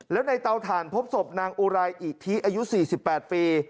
และในเตาถ่านพบศพนางอูรัยอิกฏิอายุ๔๘ปี